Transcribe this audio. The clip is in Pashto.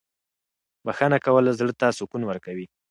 بښنه کول زړه ته سکون ورکوي.